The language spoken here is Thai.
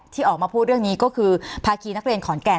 ที่ออกมาพูดเรื่องนี้ก็คือภาคีนักเรียนขอนแก่น